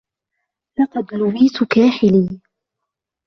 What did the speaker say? لقد لويت كاحلي.